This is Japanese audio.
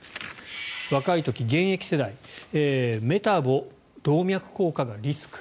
若い時、現役世代メタボ、動脈硬化がリスク。